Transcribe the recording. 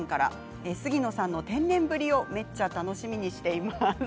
杉野さんの天然ぶりをめっちゃ楽しみにしています。